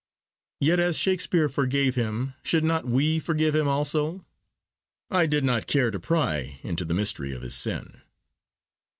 Yet as Shakespeare forgave him, should not we forgive him also? I did not care to pry into the mystery of his sin.